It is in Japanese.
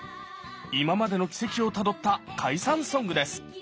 今までの軌跡をたどった解散ソングです